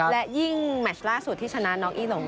และยิ่งแมชล่าสุดที่ชนะน้องอีหลง